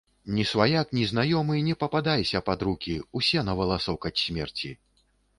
Ні сваяк, ні знаёмы не пападайся пад рукі, усе на валасок ад смерці.